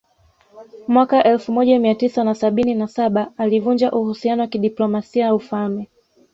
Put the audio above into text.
Mwaka elfu moja Mia tisa na sabini na saba alivunja uhusiano wa kidiplomasia Ufalme